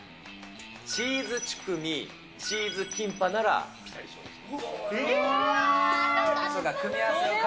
チーズチュクミ、チーズキンパならぴたり賞でした。